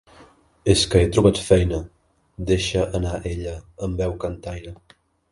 És que he trobat feina —deixa anar ella amb veu cantaire.